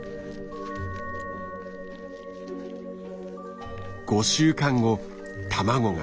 ５週間後卵がふ化。